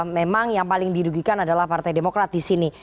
memang yang paling didugikan adalah partai demokrat di sini